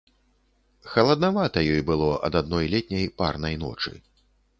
Халаднавата ёй было ад адной летняй, парнай ночы.